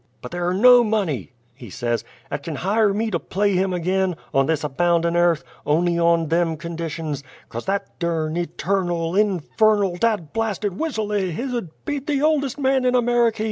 But there're no money," he says, "'at kin hire me to play him ag'in, on this aboundin' airth, on'y on them conditions 'cause that durn, eternal, infernal, dad blasted whistle o' his 'ud beat the oldest man in Ameriky!"